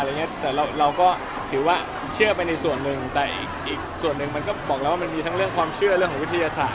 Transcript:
แต่เราก็ถือว่าเชื่อไปในส่วนหนึ่งแต่อีกส่วนหนึ่งมันก็บอกแล้วว่ามันมีทั้งเรื่องความเชื่อเรื่องของวิทยาศาส